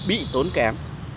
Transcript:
bị tốn kém